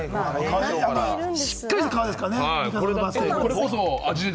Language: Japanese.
しっかりした革ですからね。